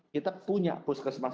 kita punya puslesmas